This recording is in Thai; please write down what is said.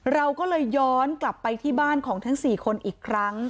เราก็เลยย้อนกลับไปที่บ้านของทั้ง๔คนอีกครั้ง